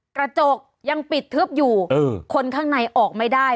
กระจกยังปิดทึบอยู่คนข้างในออกไม่ได้